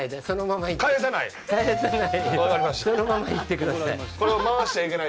そのまま行ってください。